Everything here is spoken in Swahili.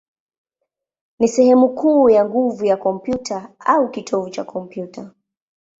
ni sehemu kuu ya nguvu ya kompyuta, au kitovu cha kompyuta.